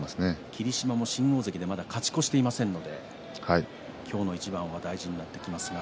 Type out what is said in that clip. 霧島も新大関でまだ勝ち越していませんので今日の一番は大事になってきますが。